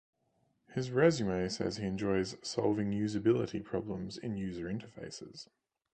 His resumé says he enjoys solving usability problems in user interfaces.